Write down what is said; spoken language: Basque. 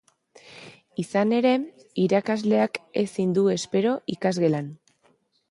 Izan ere, irakasleak ezin du espero ikasgelan.